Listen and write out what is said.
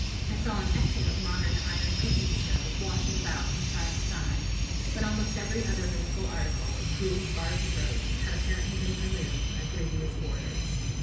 I saw an excellent modern iron cooking stove washing about from side to side; but almost every other moveable article, including spars and ropes, had apparently been removed by previous boarders.